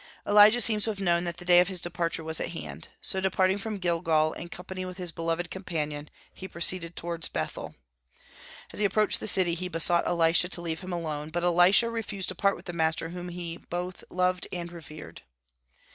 Elijah seems to have known that the day of his departure was at hand. So, departing from Gilgal in company with his beloved companion, he proceeded toward Bethel. As he approached the city he besought Elisha to leave him alone; but Elisha refused to part with the master whom he both loved and revered.